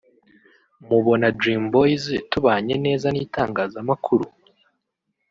mubona dream boys tubanye neza n’itangazamakuru